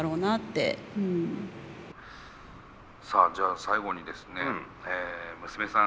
さあじゃあ最後にですね娘さん